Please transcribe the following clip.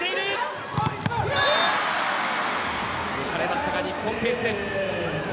抜かれましたが日本ペース。